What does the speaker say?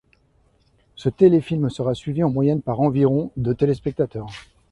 Ce téléfilm sera suivi en moyenne par environ de téléspectateurs.